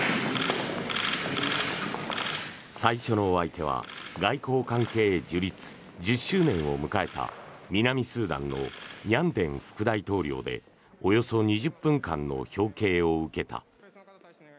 最初のお相手は外交関係樹立１０周年を迎えた南スーダンのニャンデン副大統領でおよそ２０分間の表敬を受けた。